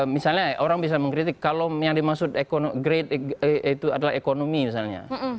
misalnya orang bisa mengkritik kalau yang dimaksud grade itu adalah ekonomi misalnya